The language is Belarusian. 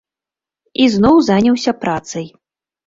І зноў заняўся працай.